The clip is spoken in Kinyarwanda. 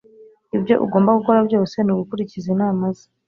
ibyo ugomba gukora byose ni ugukurikiza inama ze